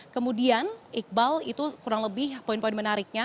kemudian iqbal itu kurang lebih poin poin menariknya